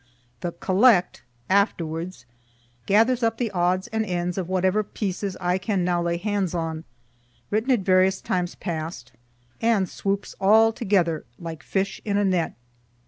The COLLECT afterwards gathers up the odds and ends of whatever pieces I can now lay hands on, written at various times past, and swoops all together like fish in a net.